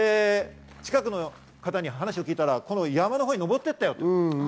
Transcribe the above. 近くの方に話を聞いたら山のほうに登っていったよと。